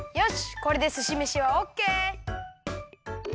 これですしめしはオッケー！